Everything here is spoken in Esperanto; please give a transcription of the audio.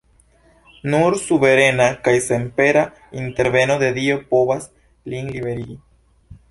Nur suverena kaj senpera interveno de Dio povas lin liberigi.